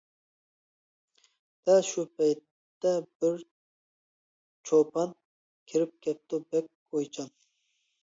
دەل شۇ پەيتتە بىر چوپان، كىرىپ كەپتۇ بەك ئويچان.